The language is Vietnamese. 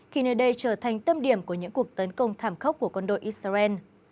khi nơi đây trở thành tâm điểm của những cuộc tấn công thảm khốc của quân đội israel